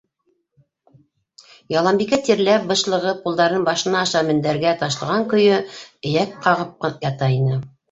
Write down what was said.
Яланбикә тирләп, бышлығып, ҡулдарын башынан аша мендәргә ташлаған көйө эйәк ҡағып ята ине.